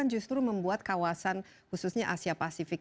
justru membuat kawasan khususnya asia pasifik